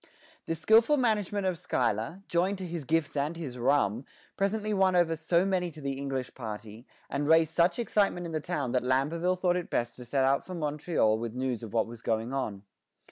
The skilful management of Schuyler, joined to his gifts and his rum, presently won over so many to the English party, and raised such excitement in the town that Lamberville thought it best to set out for Montreal with news of what was going on.